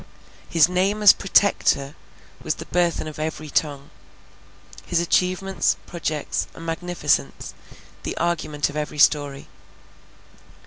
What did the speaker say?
His name as Protector was the burthen of every tongue; his achievements, projects, and magnificence, the argument of every story.